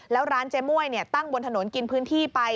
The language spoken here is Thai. แล้วร้านเจ๊ม่วยตั้งบนถนนกินพื้นที่ไป